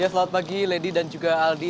selamat pagi lady dan juga aldi